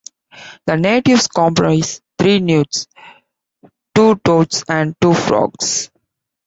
The natives comprise three newts, two toads and two frogs.